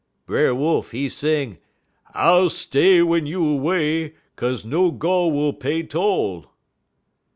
"Brer Wolf he sing: "'_I'll stay w'en you away, 'Kaze no gol' will pay toll!